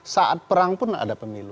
saat perang pun ada pemilu